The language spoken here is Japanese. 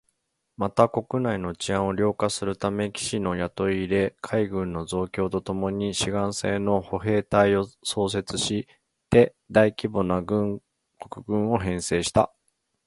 また、国内の治安を良化するため、騎士の雇い入れ、海軍の増強とともに志願制の歩兵隊を創設して大規模な国軍を編成した